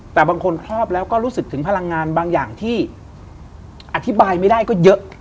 แต่บางคนครอบแล้วก็รู้สึกถึงพลังงานบางอย่างที่อธิบายไม่ได้ก็เยอะ